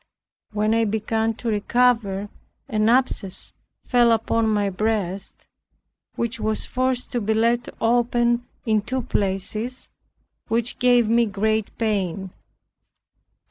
When I began to recover, an abscess fell upon my breast, which was forced to be laid open in two places, which gave me great pain.